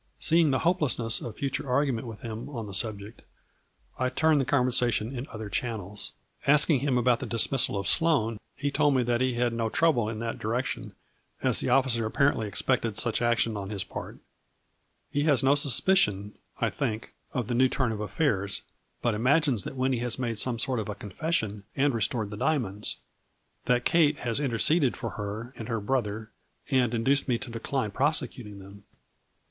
Seeing the hope lessness of further argument with him on the subject, I turned the conversation in other channels. 128 A FLURRY IN DIAMONDS. Asking" hirnT about the dismissal of "'Sloane, he told me that he had no trouble in that direction, as the officer apparently expected such action on his part " He has no suspicion, I think, of the new turn of affairs, but imagines that Winnie has made some sort of a confes sion and restored the diamonds ; that Kate has interceded for her and her brother, and in duced me to decline prosecuting them.